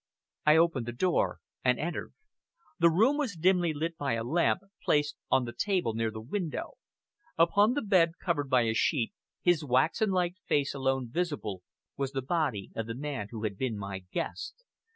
I opened the door and entered. The room was dimly lit by a lamp, placed on the table near the window. Upon the bed, covered by a sheet, his waxen like face alone visible, was the body of the man who had been my guest.